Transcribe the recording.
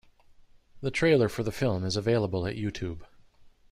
The trailer for the film is available at YouTube.